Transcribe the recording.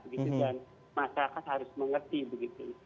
dan masyarakat harus mengerti begitu